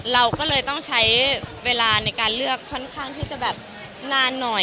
เราก็เลยต้องใช้เวลาในการเลือกค่อนข้างที่จะแบบนานหน่อย